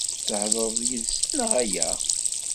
Theḍṛeḍ yid-sen neɣ ala?